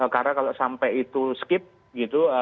karena kalau sampai itu skip gitu